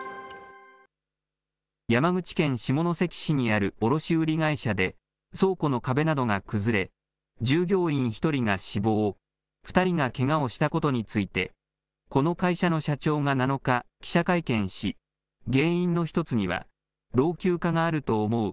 山口県下関市にある卸売り会社で、倉庫の壁などが崩れ、従業員１人が死亡、２人がけがをしたことについて、この会社の社長が７日、記者会見し、原因の一つには老朽化があると思う。